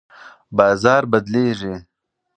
بازار بدلیږي.